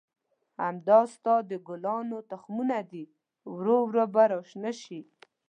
همدا ستا د ګلانو تخمونه دي، ورو ورو به را شنه شي.